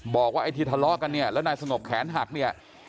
บอกว่าไอ้ที่ทะเลาะกันเนี่ยแล้วนายสงบแขนหักเนี่ย